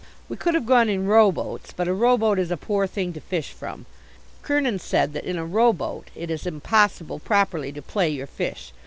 We could have gone in row boats, but a row boat is a poor thing to fish from. Kernin said that in a row boat it is impossible properly to "play" your fish.